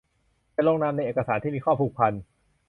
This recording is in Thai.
จะลงนามในเอกสารที่มีข้อผูกพัน